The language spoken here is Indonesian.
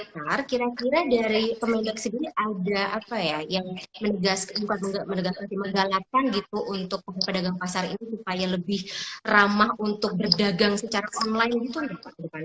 ya memang kira kira dari pemilu ke sini ada apa ya yang menegaskan untuk pedagang pasar ini supaya lebih ramah untuk berdagang secara online gitu ya pak